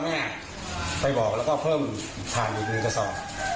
เลยเอาพ่อแม่ไปบอกแล้วก็เพิ่มถ่านอีกหนึ่งกระสอบ